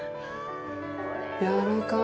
やわらかい。